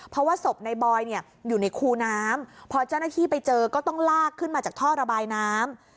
เพราะว่าศพในบอยเนี่ยอยู่ในคูน้ำพอเจ้าหน้าที่ไปเจอก็ต้องลากขึ้นมาจากท่อระบายน้ำ